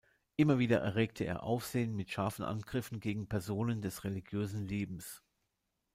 Immer wieder erregte er Aufsehen mit scharfen Angriffen gegen Personen des religiösen Lebens.